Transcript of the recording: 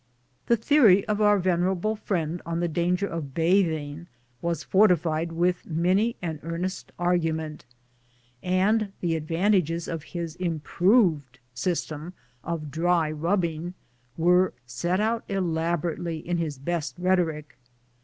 The the ory of our venerable friend on the danger of bathing was fortified with many an earnest argument, and the advantages of his improved system of dry rubbing set out elaborately in his best rhetoric.